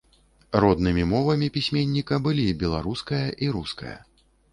Роднымі мовамі пісьменніка былі беларуская і руская.